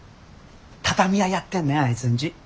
畳屋やってんねんあいつんち。